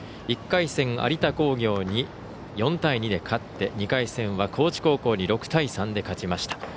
１回戦有田工業に４対２で勝って２回戦は高知高校に６対３で勝ちました。